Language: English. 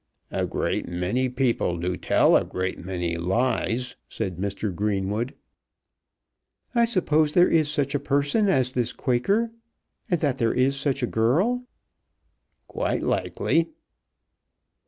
"A great many people do tell a great many lies," said Mr. Greenwood. "I suppose there is such a person as this Quaker, and that there is such a girl?" "Quite likely."